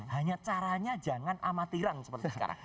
hanya caranya jangan amatiran seperti sekarang